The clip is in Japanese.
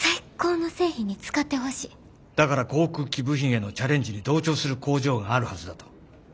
だから航空機部品へのチャレンジに同調する工場があるはずだと。